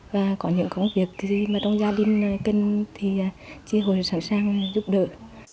và có những công việc gì mà trong gia đình cần thì trí hội sẵn sàng giúp đỡ